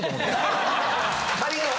仮の？